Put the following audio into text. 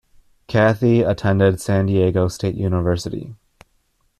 Kathy attended San Diego State University.